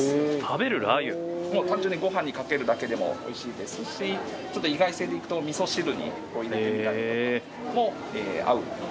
もう単純にご飯にかけるだけでもおいしいですしちょっと意外性でいくとみそ汁に入れてみたりとかも合う商品になってます。